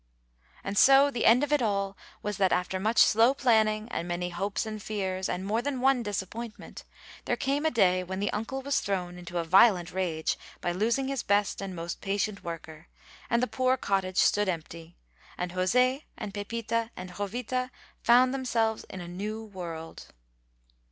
And so the end of it all was that after much slow planning and many hopes and fears, and more than one disappointment, there came a day when the uncle was thrown into a violent rage by losing his best and most patient worker, and the poor cottage stood empty, and José and Pepita and Jovita found themselves in a new world.